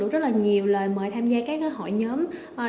thật ra thì cũng nhận được rất là nhiều lời mời tham gia các hội nhóm